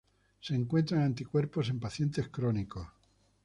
Se encuentran anticuerpos en pacientes crónicos.